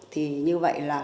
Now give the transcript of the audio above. thì như vậy là